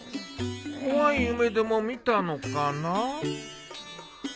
怖い夢でも見たのかな。